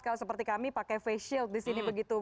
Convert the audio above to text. kalau seperti kami pakai face shield di sini begitu